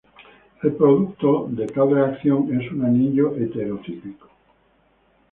El producto de tal reacción es un anillo heterocíclico.